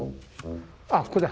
あっここだ！